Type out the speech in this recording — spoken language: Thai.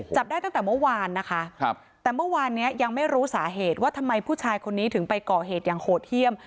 จับได้ตั้งแต่เมื่อวานนะคะแต่เมื่อวานเนี้ยยังไม่รู้สาเหตุว่าทำไมผู้ชายคนนี้ถึงไปก่อเหตุอย่างโหดเยี่ยม